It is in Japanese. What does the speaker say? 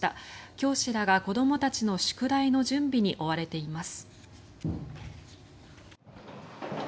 教師らが子どもたちの宿題の準備に追われています。